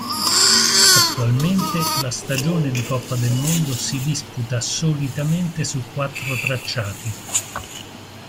Attualmente la stagione di Coppa del Mondo si disputa solitamente su quattro tracciati.